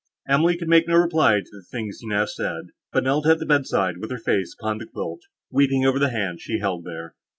Emily could make no reply to anything he now said, but knelt at the bedside, with her face upon the quilt, weeping over the hand she held there.